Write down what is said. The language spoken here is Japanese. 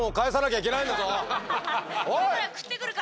食ってくるから。